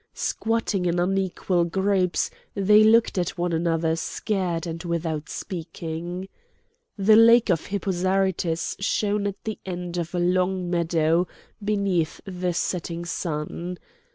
Squatting in unequal groups they looked at one another scared and without speaking. The lake of Hippo Zarytus shone at the end of a long meadow beneath the setting sun.